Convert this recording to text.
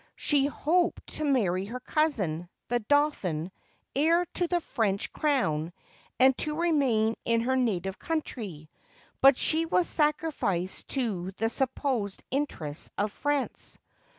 She hoped to marry her cousin, the dauphin, heir to the French crown, and to remain in her native country; but she was sacrificed to the supposed interests of France.